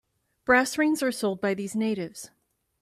Brass rings are sold by these natives.